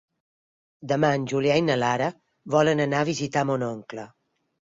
Demà en Julià i na Lara volen anar a visitar mon oncle.